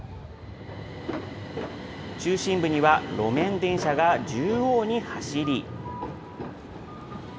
中心部には路面電車が縦横に走り。